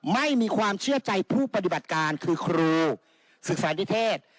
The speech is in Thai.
ไม่มีความเชื่อใจผู้ปฏิบัติการคือครูศึกษานิเทศ